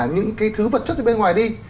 những cái thứ vật chất bên ngoài đi